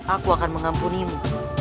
aku akan mengampunimu